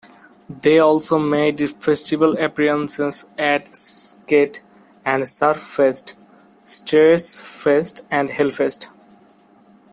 They also made festival appearances at Skate And Surf Fest, Strhess Fest, and Hellfest.